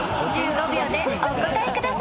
［１５秒でお答えください］